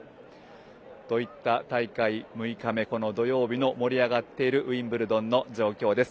といった大会６日目土曜日の盛り上がっているウィンブルドンの状況です。